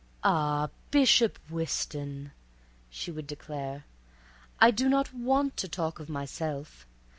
"Ah, Bishop Wiston," she would declare, "I do not want to talk of myself.